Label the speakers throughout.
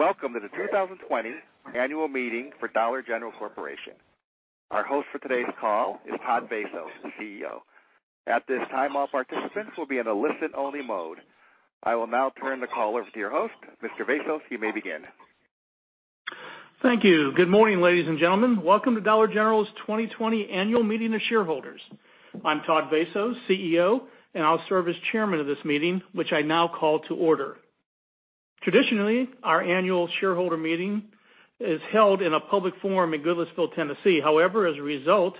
Speaker 1: Welcome to the 2020 annual meeting for Dollar General Corporation. Our host for today's call is Todd Vasos, the CEO. At this time, all participants will be in a listen-only mode. I will now turn the call over to your host, Mr. Vasos. You may begin.
Speaker 2: Thank you. Good morning, ladies and gentlemen. Welcome to Dollar General's 2020 annual meeting of shareholders. I'm Todd Vasos, CEO, and I'll serve as chairman of this meeting, which I now call to order. Traditionally, our annual shareholder meeting is held in a public forum in Goodlettsville, Tennessee. However, as a result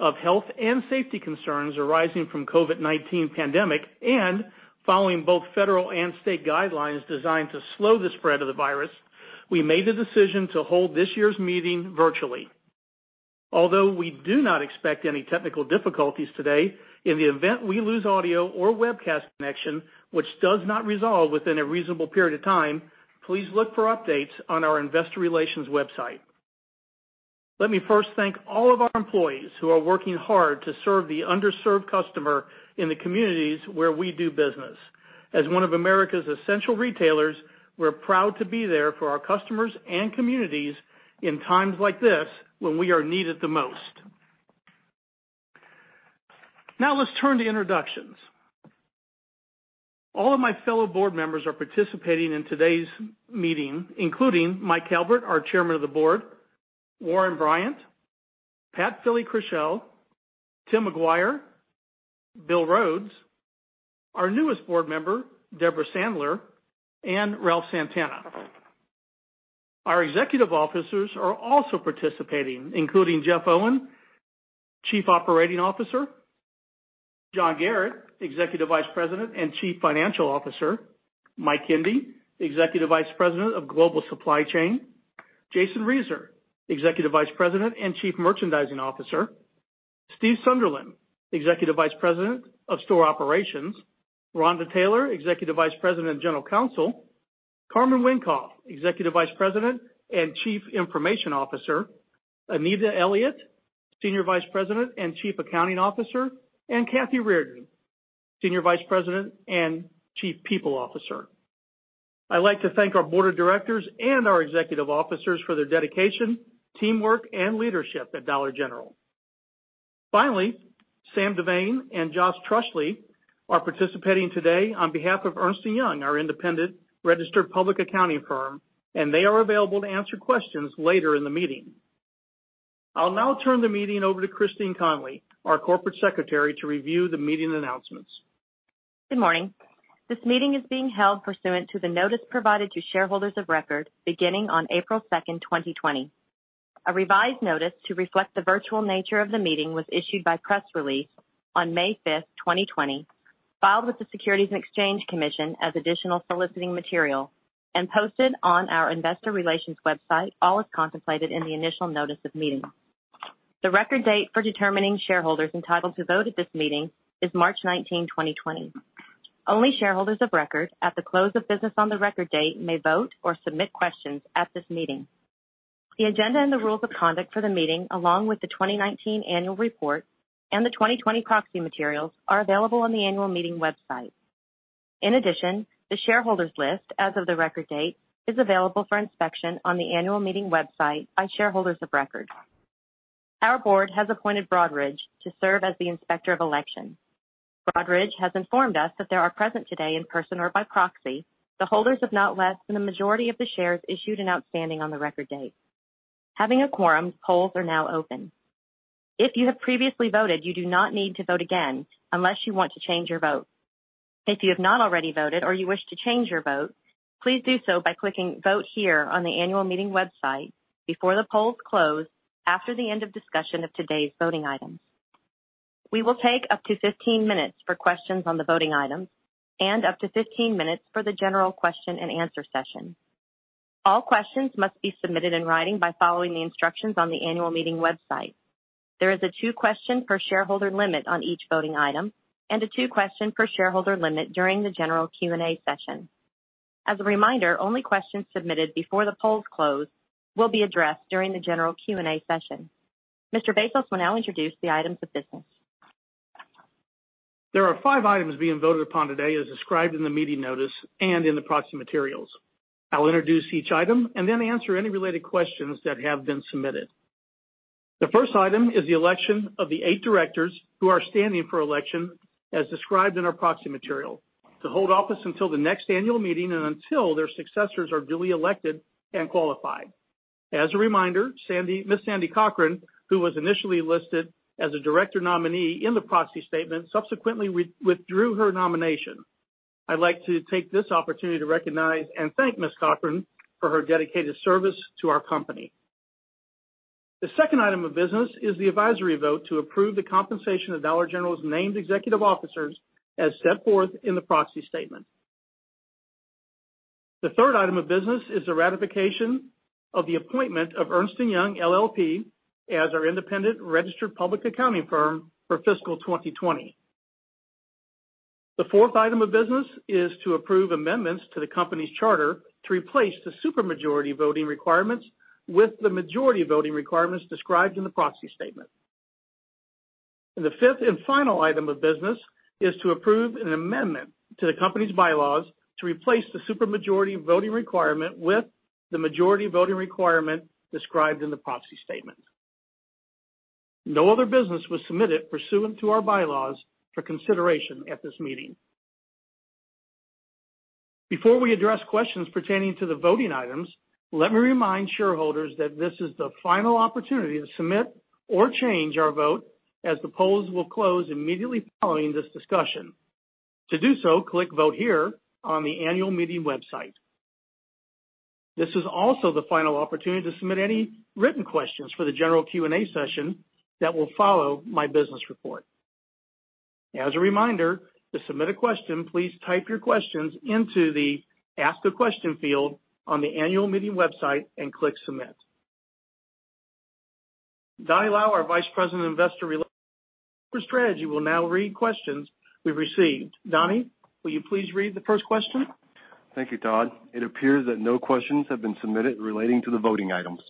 Speaker 2: of health and safety concerns arising from COVID-19 pandemic, and following both federal and state guidelines designed to slow the spread of the virus, we made the decision to hold this year's meeting virtually. Although we do not expect any technical difficulties today, in the event we lose audio or webcast connection, which does not resolve within a reasonable period of time, please look for updates on our investor relations website. Let me first thank all of our employees who are working hard to serve the underserved customer in the communities where we do business. As one of America's essential retailers, we're proud to be there for our customers and communities in times like this when we are needed the most. Now let's turn to introductions. All of my fellow board members are participating in today's meeting, including Michael Calbert, our Chairman of the Board, Warren Bryant, Patricia D. Fili-Krushel, Tim McGuire, Bill Rhodes, our newest board member, Debra Sandler, and Ralph Santana. Our executive officers are also participating, including Jeff Owen, Chief Operating Officer, John Garratt, Executive Vice President and Chief Financial Officer, Mike Kindy, Executive Vice President, Global Supply Chain, Jason Reiser, Executive Vice President and Chief Merchandising Officer, Steve Sunderland, Executive Vice President, Store Operations, Rhonda Taylor, Executive Vice President and General Counsel, Carman Wenkoff, Executive Vice President and Chief Information Officer, Anita Elliott, Senior Vice President and Chief Accounting Officer, and Kathy Reardon, Senior Vice President and Chief People Officer. I'd like to thank our board of directors and our executive officers for their dedication, teamwork, and leadership at Dollar General. Finally, Sam Devane and Josh Trusley are participating today on behalf of Ernst & Young, our independent registered public accounting firm, and they are available to answer questions later in the meeting. I'll now turn the meeting over to Christine Connolly, our Corporate Secretary, to review the meeting announcements.
Speaker 3: Good morning. This meeting is being held pursuant to the notice provided to shareholders of record beginning on April 2nd, 2020. A revised notice to reflect the virtual nature of the meeting was issued by press release on May 5th, 2020, filed with the Securities and Exchange Commission as additional soliciting material and posted on our investor relations website, all as contemplated in the initial notice of meeting. The record date for determining shareholders entitled to vote at this meeting is March 19, 2020. Only shareholders of record at the close of business on the record date may vote or submit questions at this meeting. The agenda and the rules of conduct for the meeting, along with the 2019 annual report and the 2020 proxy materials, are available on the annual meeting website. In addition, the shareholders' list, as of the record date, is available for inspection on the annual meeting website by shareholders of record. Our board has appointed Broadridge to serve as the inspector of elections. Broadridge has informed us that there are present today in person or by proxy the holders of not less than the majority of the shares issued and outstanding on the record date. Having a quorum, polls are now open. If you have previously voted, you do not need to vote again unless you want to change your vote. If you have not already voted or you wish to change your vote, please do so by clicking Vote Here on the annual meeting website before the polls close after the end of discussion of today's voting items. We will take up to 15 minutes for questions on the voting items and up to 15 minutes for the general question and answer session. All questions must be submitted in writing by following the instructions on the annual meeting website. There is a two-question per shareholder limit on each voting item and a two-question per shareholder limit during the general Q&A session. As a reminder, only questions submitted before the polls close will be addressed during the general Q&A session. Mr. Vasos will now introduce the items of business.
Speaker 2: There are five items being voted upon today as described in the meeting notice and in the proxy materials. I will introduce each item and then answer any related questions that have been submitted. The first item is the election of the eight directors who are standing for election as described in our proxy material to hold office until the next annual meeting and until their successors are duly elected and qualified. As a reminder, Ms. Sandy Cochran, who was initially listed as a director nominee in the proxy statement, subsequently withdrew her nomination. I'd like to take this opportunity to recognize and thank Ms. Cochran for her dedicated service to our company. The second item of business is the advisory vote to approve the compensation of Dollar General's named executive officers as set forth in the proxy statement. The third item of business is the ratification of the appointment of Ernst & Young LLP as our independent registered public accounting firm for fiscal 2020. The fourth item of business is to approve amendments to the company's charter to replace the super majority voting requirements with the majority voting requirements described in the proxy statement. The fifth and final item of business is to approve an amendment to the company's bylaws to replace the super majority voting requirement with the majority voting requirement described in the proxy statement. No other business was submitted pursuant to our bylaws for consideration at this meeting. Before we address questions pertaining to the voting items, let me remind shareholders that this is the final opportunity to submit or change our vote, as the polls will close immediately following this discussion. To do so, click Vote Here on the Annual Meeting website. This is also the final opportunity to submit any written questions for the general Q&A session that will follow my business report. As a reminder, to submit a question, please type your questions into the Ask a Question field on the Annual Meeting website and click Submit. Donny Lau, our Vice President, Investor Strategy, will now read questions we've received. Donny, will you please read the first question?
Speaker 4: Thank you, Todd. It appears that no questions have been submitted relating to the voting items.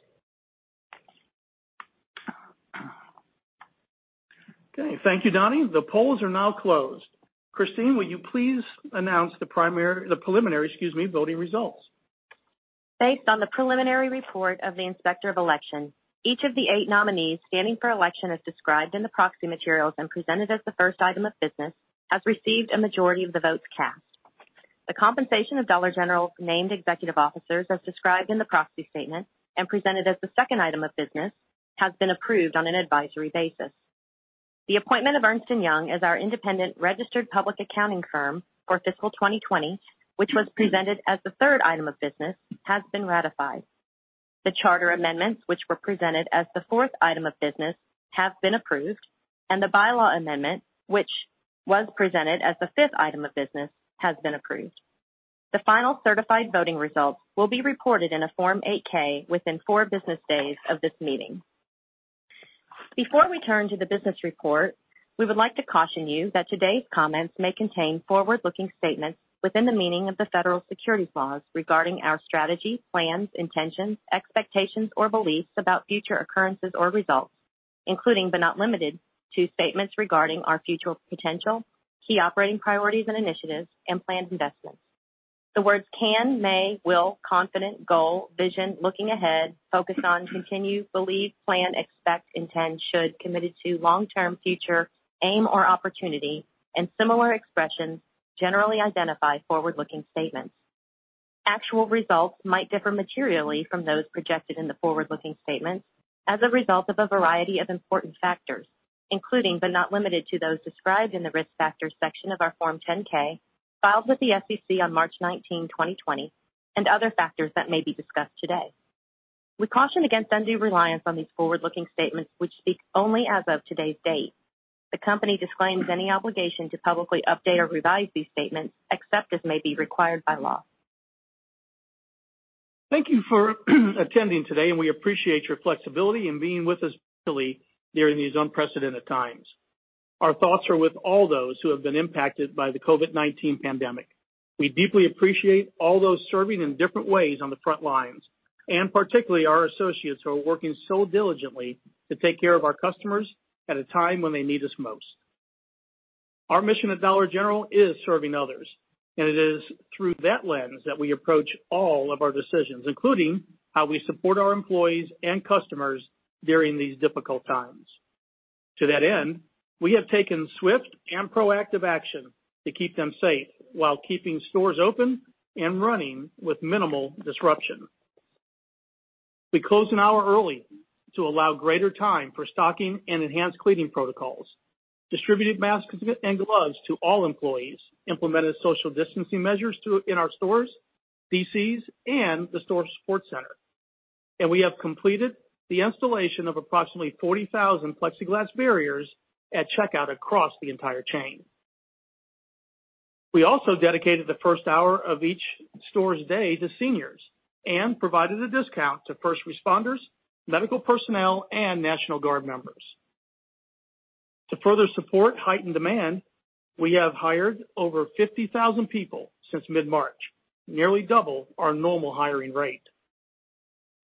Speaker 2: Thank you, Donny. The polls are now closed. Christine, will you please announce the preliminary voting results?
Speaker 3: Based on the preliminary report of the Inspector of Election, each of the eight nominees standing for election, as described in the proxy materials and presented as the first item of business, has received a majority of the votes cast. The compensation of Dollar General's named executive officers, as described in the proxy statement and presented as the second item of business, has been approved on an advisory basis. The appointment of Ernst & Young as our independent registered public accounting firm for fiscal 2020, which was presented as the third item of business, has been ratified. The charter amendments, which were presented as the fourth item of business, have been approved, and the bylaw amendment, which was presented as the fifth item of business, has been approved. The final certified voting results will be reported in a Form 8-K, within four business days of this meeting. Before we turn to the business report, we would like to caution you that today's comments may contain forward-looking statements within the meaning of the federal securities laws regarding our strategy, plans, intentions, expectations, or beliefs about future occurrences or results, including but not limited to, statements regarding our future potential, key operating priorities and initiatives, and planned investments. The words can, may, will, confident, goal, vision, looking ahead, focused on, continue, believe, plan, expect, intend, should, committed to long-term future, aim, or opportunity, and similar expressions generally identify forward-looking statements. Actual results might differ materially from those projected in the forward-looking statements as a result of a variety of important factors, including, but not limited to, those described in the Risk Factors section of our Form 10-K, filed with the SEC on March 19, 2020, and other factors that may be discussed today. We caution against undue reliance on these forward-looking statements, which speak only as of today's date. The company disclaims any obligation to publicly update or revise these statements, except as may be required by law.
Speaker 2: Thank you for attending today, and we appreciate your flexibility in being with us virtually during these unprecedented times. Our thoughts are with all those who have been impacted by the COVID-19 pandemic. We deeply appreciate all those serving in different ways on the front lines, and particularly our associates who are working so diligently to take care of our customers at a time when they need us most. Our mission at Dollar General is Serving Others, and it is through that lens that we approach all of our decisions, including how we support our employees and customers during these difficult times. To that end, we have taken swift and proactive action to keep them safe while keeping stores open and running with minimal disruption. We closed an hour early to allow greater time for stocking and enhanced cleaning protocols, distributed masks and gloves to all employees, implemented social distancing measures in our stores, DCs, and the store support center. We have completed the installation of approximately 40,000 plexiglass barriers at checkout across the entire chain. We also dedicated the first hour of each store's day to seniors and provided a discount to first responders, medical personnel, and National Guard members. To further support heightened demand, we have hired over 50,000 people since mid-March, nearly double our normal hiring rate.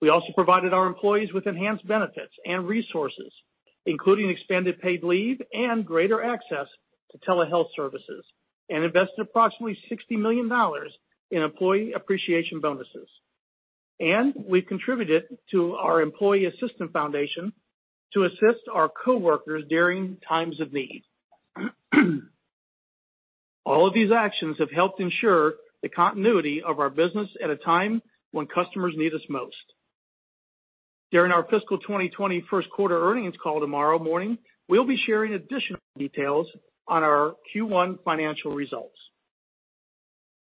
Speaker 2: We also provided our employees with enhanced benefits and resources, including expanded paid leave and greater access to telehealth services, and invested approximately $60 million in employee appreciation bonuses. We've contributed to our Employee Assistance Foundation to assist our coworkers during times of need. All of these actions have helped ensure the continuity of our business at a time when customers need us most. During our fiscal 2020 first-quarter earnings call tomorrow morning, we'll be sharing additional details on our Q1 financial results.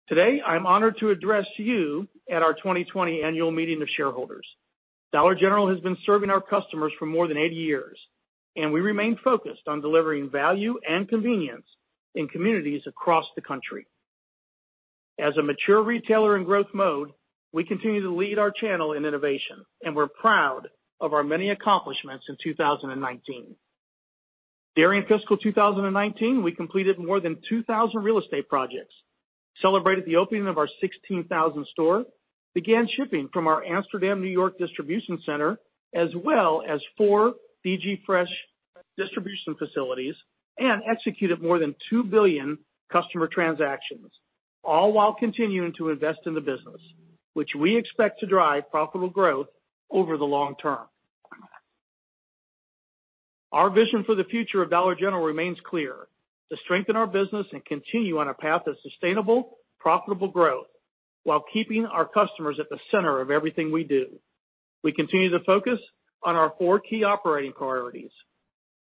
Speaker 2: Today, I'm honored to address you at our 2020 Annual Meeting of Shareholders. Dollar General has been serving our customers for more than 80 years, and we remain focused on delivering value and convenience in communities across the country. As a mature retailer in growth mode, we continue to lead our channel in innovation, and we're proud of our many accomplishments in 2019. During fiscal 2019, we completed more than 2,000 real estate projects. We celebrated the opening of our 16,000th store, began shipping from our Amsterdam, New York, distribution center, as well as 4 DG Fresh distribution facilities, and executed more than 2 billion customer transactions, all while continuing to invest in the business, which we expect to drive profitable growth over the long term. Our vision for the future of Dollar General remains clear, to strengthen our business and continue on a path of sustainable, profitable growth while keeping our customers at the center of everything we do. We continue to focus on our four key operating priorities.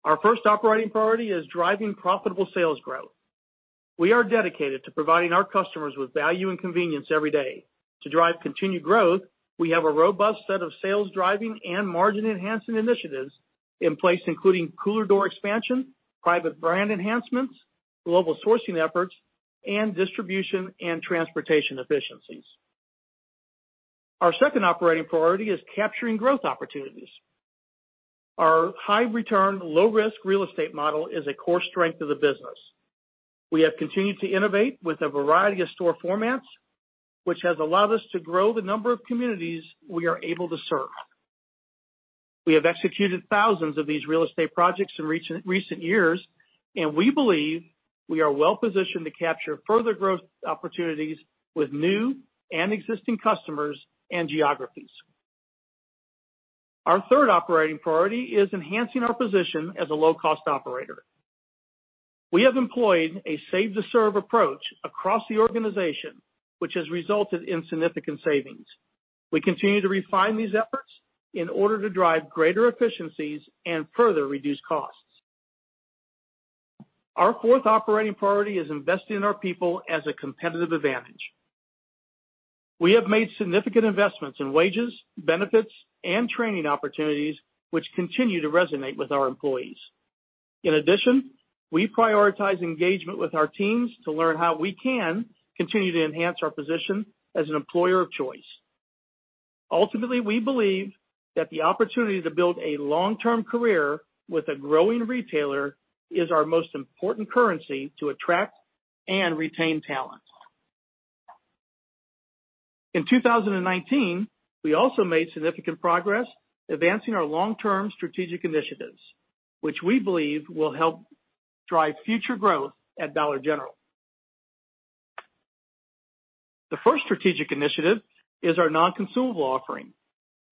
Speaker 2: Our first operating priority is driving profitable sales growth. We are dedicated to providing our customers with value and convenience every day. To drive continued growth, we have a robust set of sales-driving and margin-enhancing initiatives in place, including cooler door expansion, private brand enhancements, global sourcing efforts, and distribution and transportation efficiencies. Our second operating priority is capturing growth opportunities. Our high return, low risk real estate model is a core strength of the business. We have continued to innovate with a variety of store formats, which has allowed us to grow the number of communities we are able to serve. We have executed thousands of these real estate projects in recent years, and we believe we are well-positioned to capture further growth opportunities with new and existing customers and geographies. Our third operating priority is enhancing our position as a low-cost operator. We have employed a save-to-serve approach across the organization, which has resulted in significant savings. We continue to refine these efforts in order to drive greater efficiencies and further reduce costs. Our fourth operating priority is investing in our people as a competitive advantage. We have made significant investments in wages, benefits, and training opportunities, which continue to resonate with our employees. In addition, we prioritize engagement with our teams to learn how we can continue to enhance our position as an employer of choice. Ultimately, we believe that the opportunity to build a long-term career with a growing retailer is our most important currency to attract and retain talent. In 2019, we also made significant progress advancing our long-term strategic initiatives, which we believe will help drive future growth at Dollar General. The first strategic initiative is our non-consumable offering.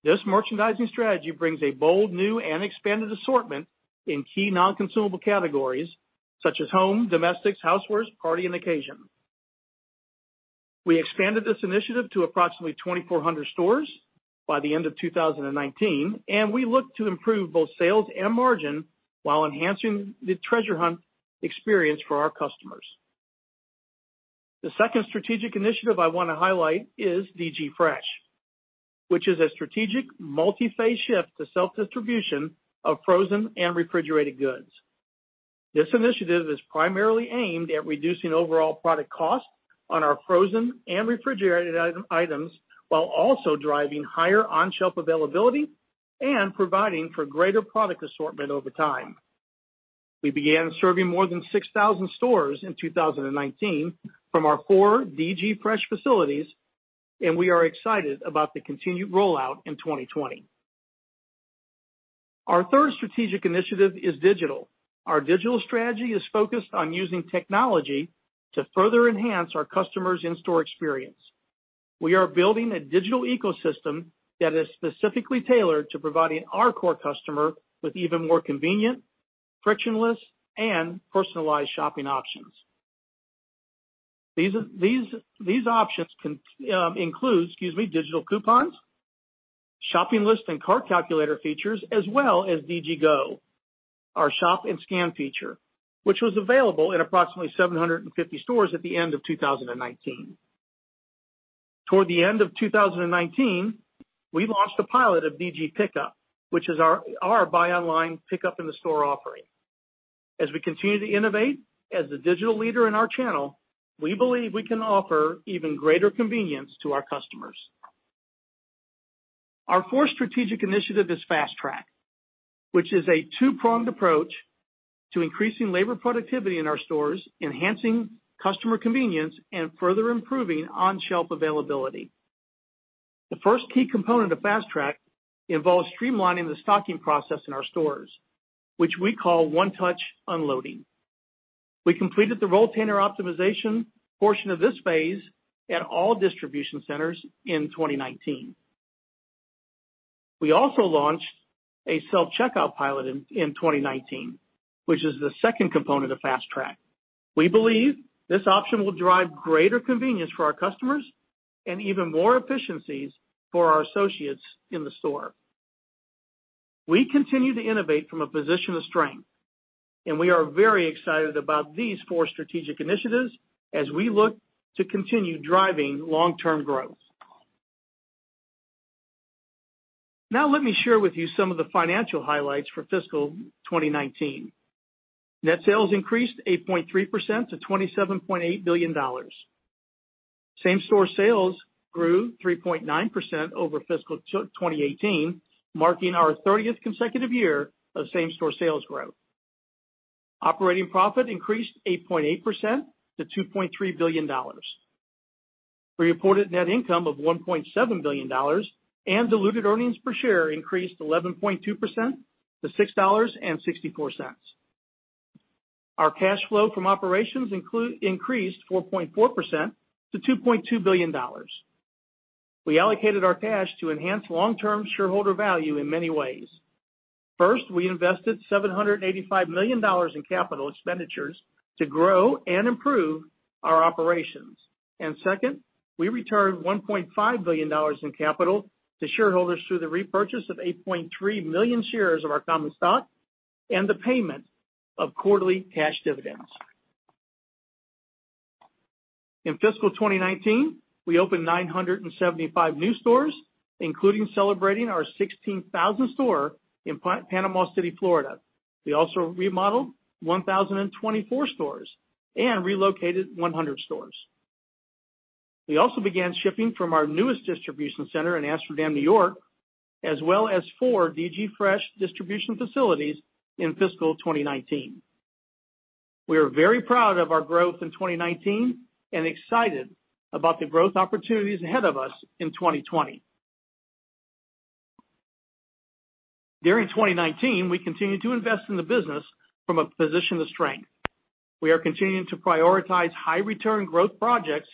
Speaker 2: This merchandising strategy brings a bold new and expanded assortment in key non-consumable categories such as home, domestics, housewares, party, and occasion. We expanded this initiative to approximately 2,400 stores by the end of 2019. We look to improve both sales and margin while enhancing the treasure hunt experience for our customers. The second strategic initiative I want to highlight is DG Fresh, which is a strategic multiphase shift to self-distribution of frozen and refrigerated goods. This initiative is primarily aimed at reducing overall product cost on our frozen and refrigerated items, while also driving higher on-shelf availability and providing for greater product assortment over time. We began serving more than 6,000 stores in 2019 from our four DG Fresh facilities. We are excited about the continued rollout in 2020. Our third strategic initiative is digital. Our digital strategy is focused on using technology to further enhance our customers' in-store experience. We are building a digital ecosystem that is specifically tailored to providing our core customer with even more convenient, frictionless, and personalized shopping options. These options include, excuse me, digital coupons, shopping list, and cart calculator features, as well as DG GO!, our shop and scan feature, which was available in approximately 750 stores at the end of 2019. Toward the end of 2019, we launched a pilot of DG Pickup, which is our buy online, pickup in the store offering. As we continue to innovate as the digital leader in our channel, we believe we can offer even greater convenience to our customers. Our fourth strategic initiative is Fast Track, which is a two-pronged approach to increasing labor productivity in our stores, enhancing customer convenience, and further improving on-shelf availability. The first key component of Fast Track involves streamlining the stocking process in our stores, which we call one-touch unloading. We completed the rolltainer optimization portion of this phase at all distribution centers in 2019. We also launched a self-checkout pilot in 2019, which is the second component of Fast Track. We believe this option will drive greater convenience for our customers and even more efficiencies for our associates in the store. We continue to innovate from a position of strength, and we are very excited about these four strategic initiatives as we look to continue driving long-term growth. Now, let me share with you some of the financial highlights for fiscal 2019. Net sales increased 8.3% to $27.8 billion. Same store sales grew 3.9% over fiscal 2018, marking our 30th consecutive year of same store sales growth. Operating profit increased 8.8% to $2.3 billion. We reported net income of $1.7 billion, and diluted earnings per share increased 11.2% to $6.64. Our cash flow from operations increased 4.4% to $2.2 billion. We allocated our cash to enhance long-term shareholder value in many ways. First, we invested $785 million in capital expenditures to grow and improve our operations. Second, we returned $1.5 billion in capital to shareholders through the repurchase of 8.3 million shares of our common stock and the payment of quarterly cash dividends. In fiscal 2019, we opened 975 new stores, including celebrating our 16,000th store in Panama City, Florida. We also remodeled 1,024 stores and relocated 100 stores. We also began shipping from our newest distribution center in Amsterdam, N.Y., as well as four DG Fresh distribution facilities in fiscal 2019. We are very proud of our growth in 2019 and excited about the growth opportunities ahead of us in 2020. During 2019, we continued to invest in the business from a position of strength. We are continuing to prioritize high-return growth projects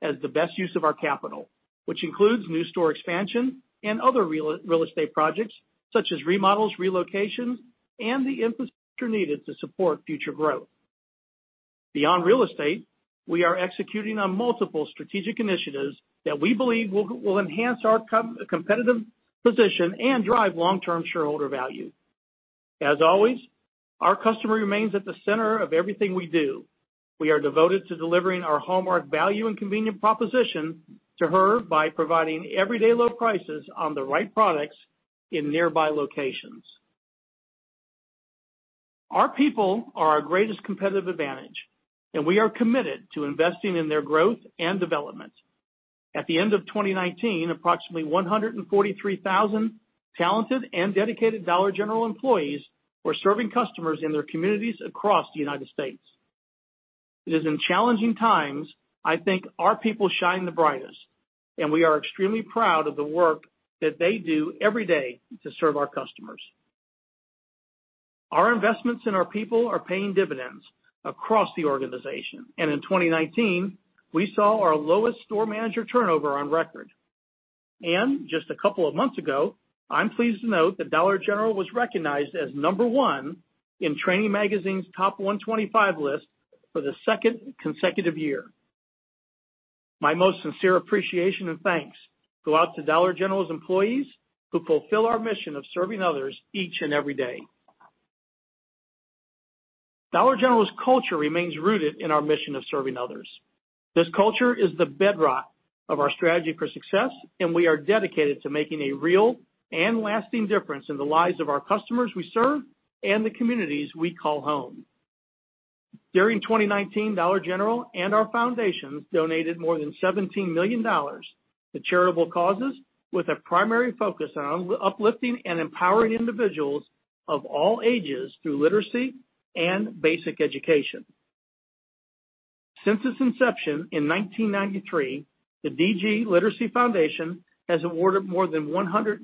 Speaker 2: as the best use of our capital, which includes new store expansion and other real estate projects such as remodels, relocations, and the infrastructure needed to support future growth. Beyond real estate, we are executing on multiple strategic initiatives that we believe will enhance our competitive position and drive long-term shareholder value. As always, our customer remains at the center of everything we do. We are devoted to delivering our hallmark value and convenient proposition to her by providing everyday low prices on the right products in nearby locations. Our people are our greatest competitive advantage, and we are committed to investing in their growth and development. At the end of 2019, approximately 143,000 talented and dedicated Dollar General employees were serving customers in their communities across the U.S. It is in challenging times, I think our people shine the brightest, and we are extremely proud of the work that they do every day to serve our customers. Our investments in our people are paying dividends across the organization. In 2019, we saw our lowest store manager turnover on record. Just a couple of months ago, I'm pleased to note that Dollar General was recognized as number one in Training Magazine's top 125 list for the second consecutive year. My most sincere appreciation and thanks go out to Dollar General's employees who fulfill our mission of Serving Others each and every day. Dollar General's culture remains rooted in our mission of Serving Others. This culture is the bedrock of our strategy for success, and we are dedicated to making a real and lasting difference in the lives of our customers we serve and the communities we call home. During 2019, Dollar General and our foundations donated more than $17 million to charitable causes with a primary focus on uplifting and empowering individuals of all ages through literacy and basic education. Since its inception in 1993, the DG Literacy Foundation has awarded more than $170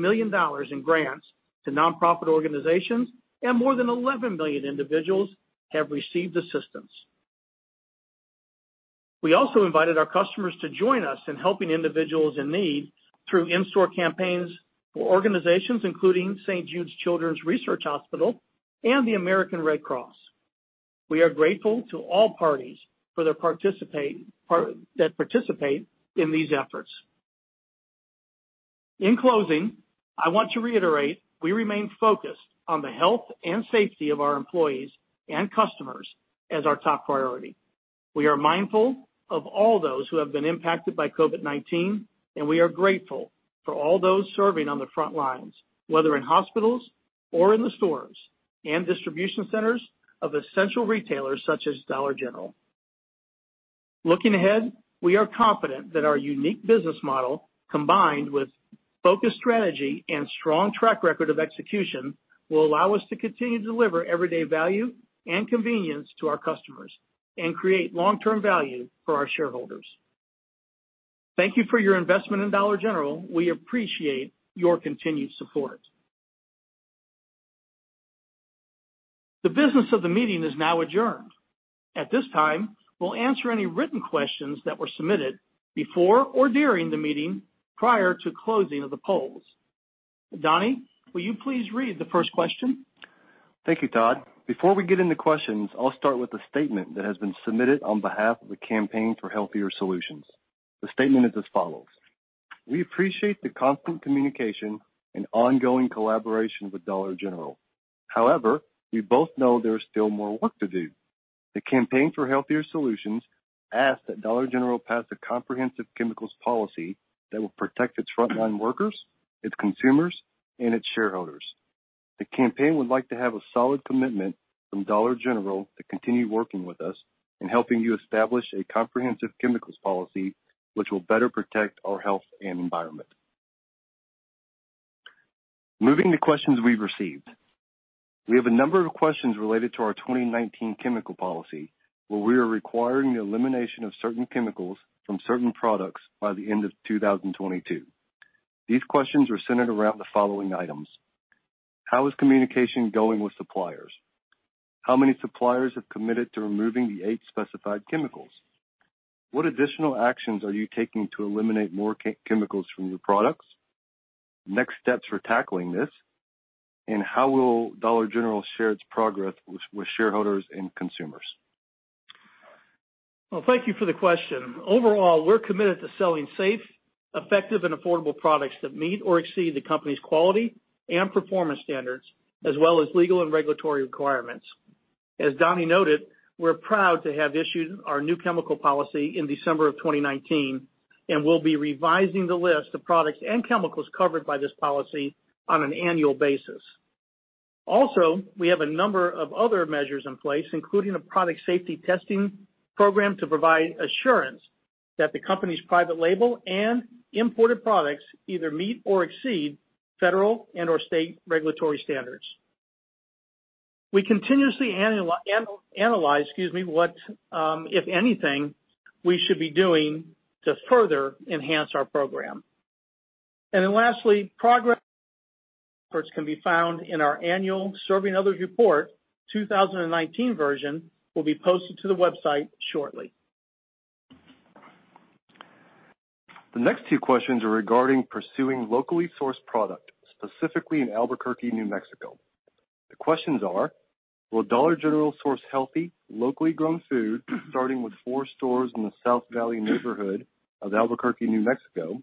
Speaker 2: million in grants to nonprofit organizations, and more than 11 million individuals have received assistance. We also invited our customers to join us in helping individuals in need through in-store campaigns for organizations, including St. Jude Children's Research Hospital and the American Red Cross. We are grateful to all parties that participate in these efforts. In closing, I want to reiterate we remain focused on the health and safety of our employees and customers as our top priority. We are mindful of all those who have been impacted by COVID-19, and we are grateful for all those serving on the front lines, whether in hospitals or in the stores and distribution centers of essential retailers such as Dollar General. Looking ahead, we are confident that our unique business model, combined with focused strategy and strong track record of execution, will allow us to continue to deliver everyday value and convenience to our customers and create long-term value for our shareholders. Thank you for your investment in Dollar General. We appreciate your continued support. The business of the meeting is now adjourned. At this time, we'll answer any written questions that were submitted before or during the meeting prior to closing of the polls. Donnie, will you please read the first question?
Speaker 4: Thank you, Todd. Before we get into questions, I'll start with a statement that has been submitted on behalf of the Campaign for Healthier Solutions. The statement is as follows. We appreciate the constant communication and ongoing collaboration with Dollar General. We both know there is still more work to do. The Campaign for Healthier Solutions asks that Dollar General pass a comprehensive chemicals policy that will protect its frontline workers, its consumers, and its shareholders. The campaign would like to have a solid commitment from Dollar General to continue working with us in helping you establish a comprehensive chemicals policy, which will better protect our health and environment. Moving to questions we've received. We have a number of questions related to our 2019 chemical policy, where we are requiring the elimination of certain chemicals from certain products by the end of 2022. These questions are centered around the following items. How is communication going with suppliers? How many suppliers have committed to removing the eight specified chemicals? What additional actions are you taking to eliminate more chemicals from your products? Next steps for tackling this, and how will Dollar General share its progress with shareholders and consumers?
Speaker 2: Well, thank you for the question. Overall, we're committed to selling safe, effective, and affordable products that meet or exceed the company's quality and performance standards, as well as legal and regulatory requirements. As Donnie noted, we're proud to have issued our new chemical policy in December of 2019. We'll be revising the list of products and chemicals covered by this policy on an annual basis. We have a number of other measures in place, including a product safety testing program to provide assurance that the company's private label and imported products either meet or exceed federal and/or state regulatory standards. We continuously analyze what, if anything, we should be doing to further enhance our program. Lastly, progress reports can be found in our annual Serving Others report. 2019 version will be posted to the website shortly.
Speaker 4: The next two questions are regarding pursuing locally sourced product, specifically in Albuquerque, New Mexico. The questions are, will Dollar General source healthy, locally grown food, starting with four stores in the South Valley neighborhood of Albuquerque, New Mexico?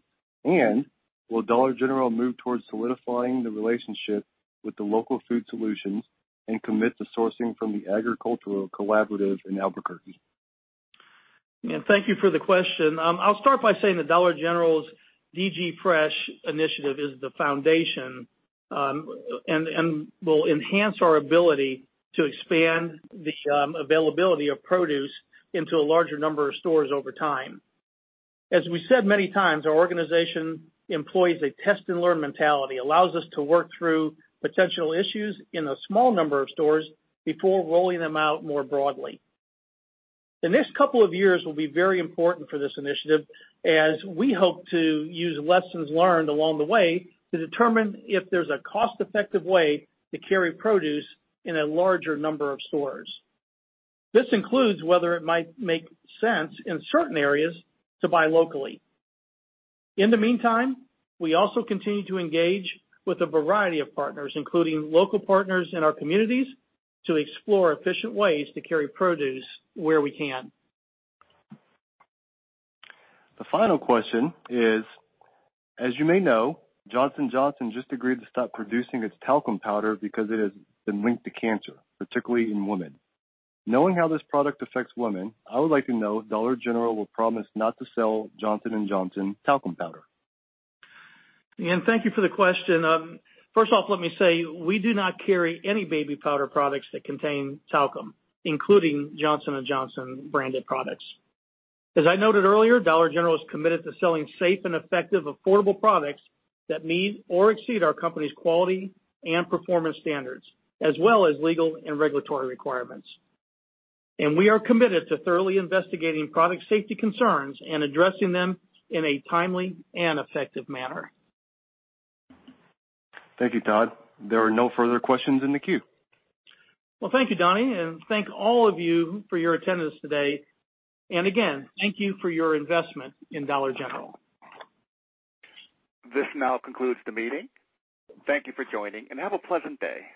Speaker 4: Will Dollar General move towards solidifying the relationship with the local food solutions and commit to sourcing from the agricultural collaborative in Albuquerque?
Speaker 2: Thank you for the question. I'll start by saying that Dollar General's DG Fresh initiative is the foundation and will enhance our ability to expand the availability of produce into a larger number of stores over time. As we said many times, our organization employs a test-and-learn mentality, allows us to work through potential issues in a small number of stores before rolling them out more broadly. The next couple of years will be very important for this initiative, as we hope to use lessons learned along the way to determine if there's a cost-effective way to carry produce in a larger number of stores. This includes whether it might make sense in certain areas to buy locally. In the meantime, we also continue to engage with a variety of partners, including local partners in our communities, to explore efficient ways to carry produce where we can.
Speaker 4: The final question is, as you may know, Johnson & Johnson just agreed to stop producing its talcum powder because it has been linked to cancer, particularly in women. Knowing how this product affects women, I would like to know if Dollar General will promise not to sell Johnson & Johnson talcum powder.
Speaker 2: Thank you for the question. First off, let me say, we do not carry any baby powder products that contain talcum, including Johnson & Johnson branded products. As I noted earlier, Dollar General is committed to selling safe and effective, affordable products that meet or exceed our company's quality and performance standards, as well as legal and regulatory requirements. We are committed to thoroughly investigating product safety concerns and addressing them in a timely and effective manner.
Speaker 4: Thank you, Todd. There are no further questions in the queue.
Speaker 2: Well, thank you, Donnie, and thank all of you for your attendance today. Again, thank you for your investment in Dollar General.
Speaker 1: This now concludes the meeting. Thank you for joining, and have a pleasant day.